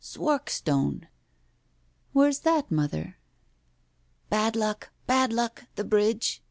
Swarkstone." "Where's that, mother?" "Bad luck! Bad luck! The Bridge.